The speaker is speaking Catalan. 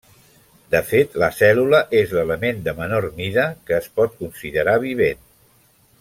De fet, la cèl·lula és l'element de menor mida que es pot considerar vivent.